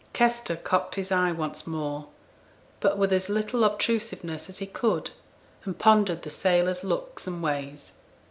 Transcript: Kester cocked his eye once more, but with as little obtrusiveness as he could, and pondered the sailor's looks and ways.